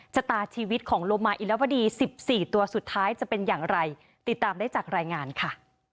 ชะตาชีวิตของโลมาอิลวดี๑๔ตัวสุดท้ายจะเป็นอย่างไรติดตามได้จากรายงานค่ะ